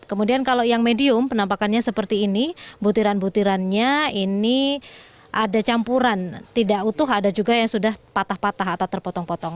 kemudian kalau yang medium penampakannya seperti ini butiran butirannya ini ada campuran tidak utuh ada juga yang sudah patah patah atau terpotong potong